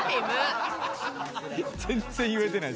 全然言えてない。